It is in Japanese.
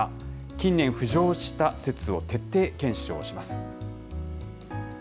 近年、浮上した説を徹底検証します。